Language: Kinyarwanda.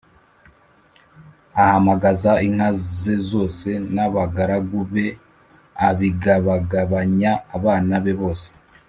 ahamagaza inka ze zose, n’abagaragu be abigabagabanya abana be bose